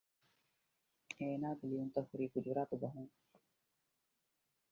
އޭނާގެ ލިޔުންތައް ހުރީ ގުޖުރާތު ބަހުން